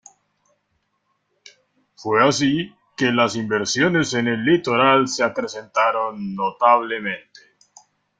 Fue así que las inversiones en el litoral se acrecentaron notablemente.